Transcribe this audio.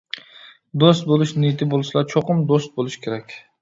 دوست بولۇش نىيىتى بولسىلا چوقۇم دوست بولۇش كېرەك.